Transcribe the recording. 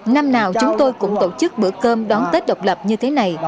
năm nào chúng tôi cũng tổ chức bữa cơm đón tết độc lập như thế này